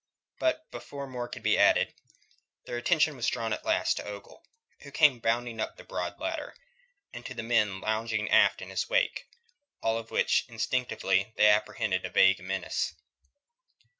But before more could be added, their attention was drawn at last to Ogle, who came bounding up the broad ladder, and to the men lounging aft in his wake, in all of which, instinctively, they apprehended a vague menace.